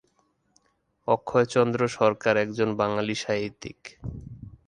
অক্ষয়চন্দ্র সরকার একজন বাঙালি সাহিত্যিক।